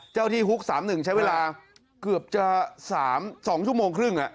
เจ้าที่ฮุก๓๑ใช้เวลาเกือบจะ๓๒ชั่วโมงครึ่ง